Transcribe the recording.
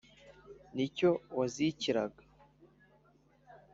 ni cyo wazikiraga.